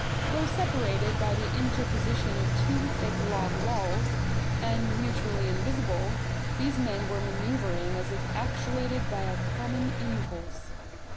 Though separated by the interposition of two thick log walls, and mutually invisible, these men were manoeuvring as if actuated by a common impulse.